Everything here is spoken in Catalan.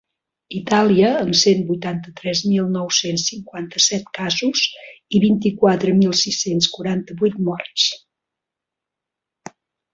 Itàlia, amb cent vuitanta-tres mil nou-cents cinquanta-set casos i vint-i-quatre mil sis-cents quaranta-vuit morts.